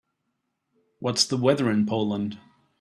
What's the weather in Poland?